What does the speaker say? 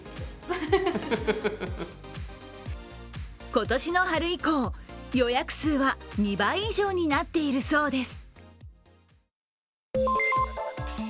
今年の春以降、予約数は２倍以上になっているそうです。